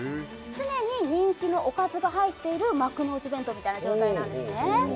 常に人気のおかずが入っている幕の内弁当みたいな状態なんですね